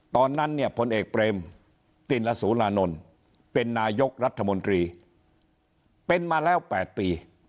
ตอนนั้นเนี่ยพลเอกเปรมติลสุรานนท์เป็นนายกรัฐมนตรีเป็นมาแล้ว๘ปี